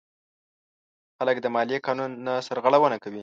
خلک د مالیې قانون نه سرغړونه کوي.